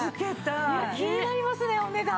気になりますねお値段。